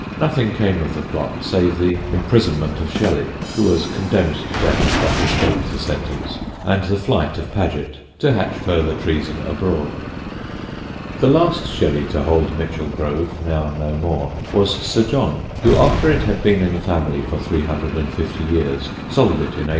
Nothing came of the plot save the imprisonment of Shelley (who was condemned to death but escaped the sentence) and the flight of Paget, to hatch further treason abroad. [Sidenote: THE PERFECT WIFE] The last Shelley to hold Michelgrove, now no more, was Sir John, who, after it had been in the family for three hundred and fifty years, sold it in 1800.